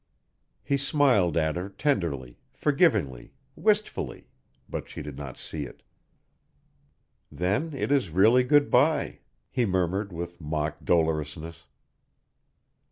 He smiled at her tenderly, forgivingly, wistfully, but she did not see it. "Then it is really good by," he murmured with mock dolorousness.